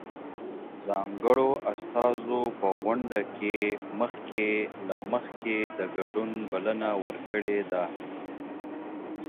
ځانګړو استازو په غونډه کې مخکې له مخکې د ګډون بلنه ورکړې ده.